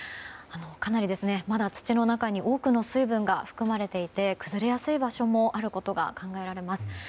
かなりまだ土の中に多くの水分が含まれていて崩れやすい場所もあることが考えられます。